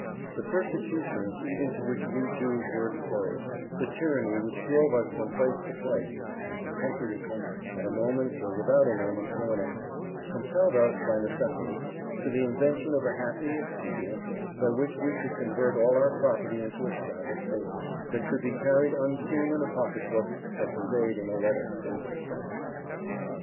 The persecutions even to which we Jews were exposed the tyranny which drove us from place to place, and from country to country, at a moment's or without a moment's warning, compelled us, by necessity, to the invention of a happy expedient, by which we could convert all our property into a scrap of paper, that could be carried unseen in a pocket book, or conveyed in a letter unsuspected."